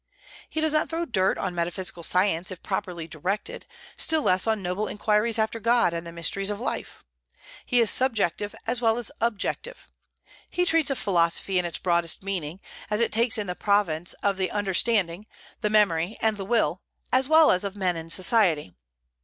He does not throw dirt on metaphysical science if properly directed, still less on noble inquiries after God and the mysteries of life. He is subjective as well as objective. He treats of philosophy in its broadest meaning, as it takes in the province of the understanding, the memory, and the will, as well as of man in society.